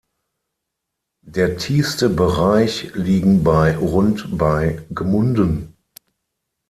Der tiefste Bereich liegen bei rund bei Gmunden.